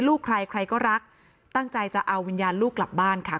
ลูกใครใครก็รักตั้งใจจะเอาวิญญาณลูกกลับบ้านค่ะ